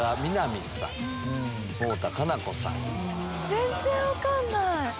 全然分かんない！